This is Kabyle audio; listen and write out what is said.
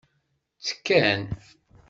Ttekkan.